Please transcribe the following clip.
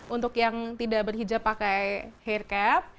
untuk yang tidak berhijab pakai hair cap